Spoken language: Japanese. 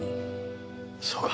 そうか。